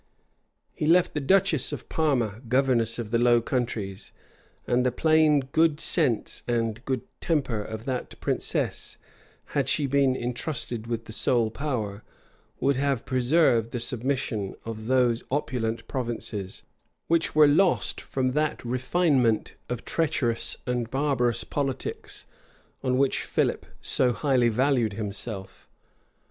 He left the duchess of Parma governess of the Low Countries, and the plain good sense and good temper of that princess, had she been intrusted with the sole power, would have preserved the submission of those opulent provinces, which were lost from that refinement of treacherous and barbarous politics on which Philip so highly valued himself.